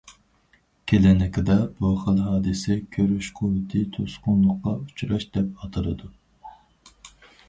كىلىنىكىدا بۇ خىل ھادىسە« كۆرۈش قۇۋۋىتى توسقۇنلۇققا ئۇچراش» دەپ ئاتىلىدۇ.